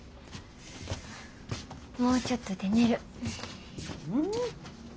もうちょっとで寝る。